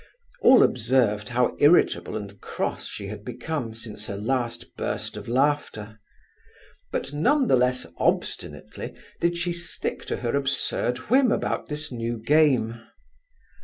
All observed how irritable and cross she had become since her last burst of laughter; but none the less obstinately did she stick to her absurd whim about this new game.